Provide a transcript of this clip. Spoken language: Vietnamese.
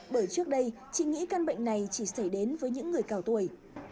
bởi trước đây chị nghĩ căn bệnh này chỉ xảy đến với những người cao tuổi